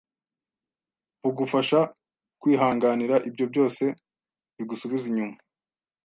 bugufasha kwihanganira ibyo byose bigusubiza inyuma